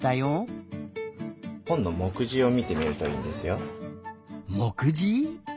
ほんのもくじをみてみるといいんですよ。もくじ？